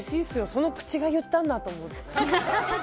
その口が言ったんだと思ったら。